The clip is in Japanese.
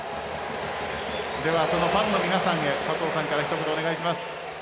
そのファンの皆さんへ佐藤さんからひと言お願いします。